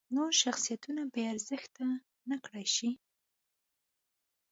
نور شخصیتونه بې ارزښته نکړای شي.